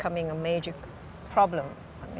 menjadi masalah utama